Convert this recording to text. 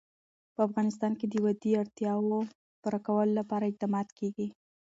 په افغانستان کې د وادي د اړتیاوو پوره کولو لپاره اقدامات کېږي.